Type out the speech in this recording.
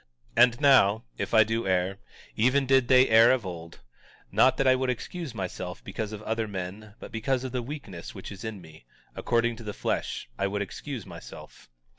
And now, if I do err, even did they err of old; not that I would excuse myself because of other men, but because of the weakness which is in me, according to the flesh, I would excuse myself.